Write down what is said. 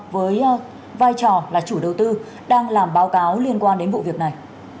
với vai trò là chủ đầu tư đang làm báo cáo liên quan đến vụ việc này